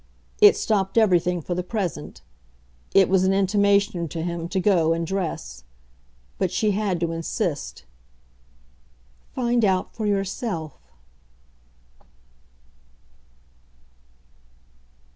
It stopped everything for the present; it was an intimation to him to go and dress. But she had to insist. "Find out for yourself!"